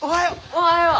おはよう！